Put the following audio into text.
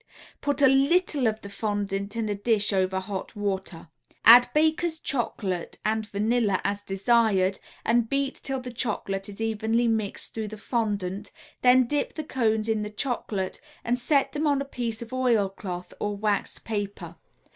Put a little of the fondant in a dish over hot water; add Baker's Chocolate and vanilla as desired and beat till the chocolate is evenly mixed through the fondant, then dip the cones in the chocolate and set them on a piece of oil cloth or waxed paper.